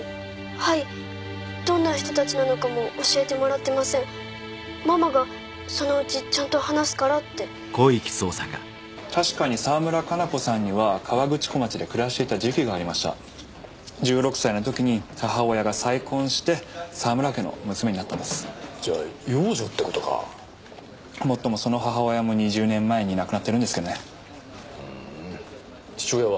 はいどんな人たちなのかも教えてもらってませんママがそのうちちゃんと話すからって確かに沢村加奈子さんには河口湖町で暮らしていた時期がありました１６歳の時に母親が再婚して沢村家の娘になったんですじゃあ養女ってことかもっともその母親も２０年前に亡くなってるんですけどねふーん父親は？